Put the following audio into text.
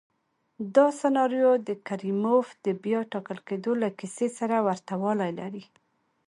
دا سناریو د کریموف د بیا ټاکل کېدو له کیسې سره ورته والی لري.